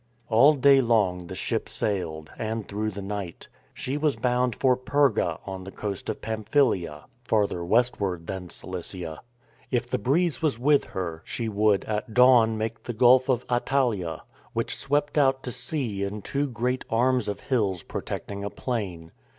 All day long the ship sailed, and through the night. She was bound for Perga on the coast of Pamphylia, 138 FROM LOWLAND TO HIGHLAND 129 farther westward than Cihcia. If the breeze was with her, she would at dawn make the Gulf of Attalia, which swept out to sea in two great arms of hills protecting a plain.